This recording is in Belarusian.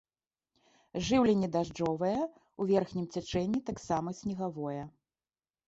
Жыўленне дажджавое, у верхнім цячэнні таксама снегавое.